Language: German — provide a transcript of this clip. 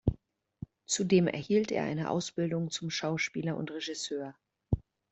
Zudem erhielt er eine Ausbildung zum Schauspieler und Regisseur.